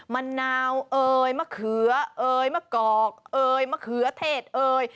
มะนาวเอ่ยมะเขือเอ่ยมะกอกเอ่ยมะเขือเทศเอ่ย